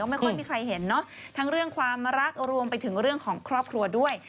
ไม่ค่อยมีใครเห็นเนอะทั้งเรื่องความรักรวมไปถึงเรื่องของครอบครัวด้วย